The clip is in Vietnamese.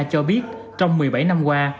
cho biết trong một mươi bảy năm qua